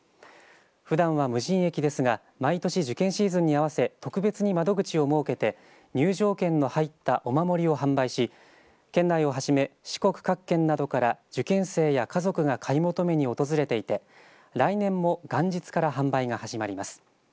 ふだんは無人駅ですが毎年受験シーズンに合わせ特別に窓口を設けて入場券の入ったお守りを販売し県内をはじめ四国各県などから受験生や家族が買い求めに訪れていて来年も元日から販売が始まります。